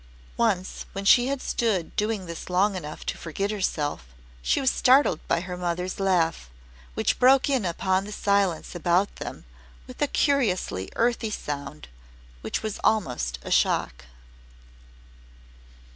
Once, when she had stood doing this long enough to forget herself, she was startled by her mother's laugh, which broke in upon the silence about them with a curiously earthly sound which was almost a shock.